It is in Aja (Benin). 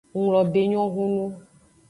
Nglobe enyo hunu.